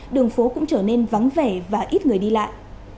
đường phố cũng trở nên vắng vẻ và ít người đi lại